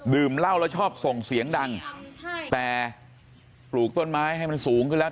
เหล้าแล้วชอบส่งเสียงดังแต่ปลูกต้นไม้ให้มันสูงขึ้นแล้ว